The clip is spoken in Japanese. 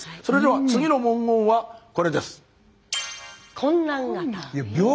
それでは次の文言はこれです。